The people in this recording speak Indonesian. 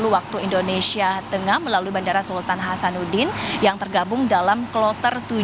waktu indonesia tengah melalui bandara sultan hasanuddin yang tergabung dalam kloter tujuh